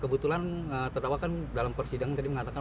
kebetulan tertawa kan dalam persidangan tadi mengatakan